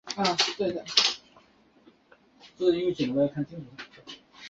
班洪事件中曾率岩帅武装支援班洪抗英。